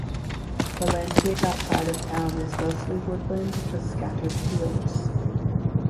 The landscape outside of town is mostly woodland with scattered fields.